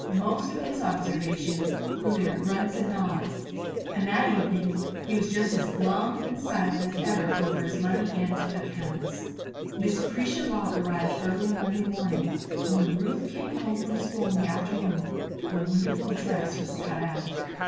Most of his observations were mere grunts and nods, and that evening he was just as glum and silent as ever over his money and accounts. Miss 'Cretia Lock arrived early on Monday morning and when Ruth came home from school in the afternoon the wonderful dress was cut out.